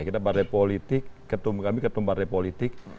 kita partai politik ketum kami ketum partai politik